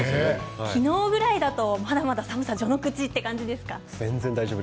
昨日ぐらいだとまだまだ寒さは序の口という感じですか？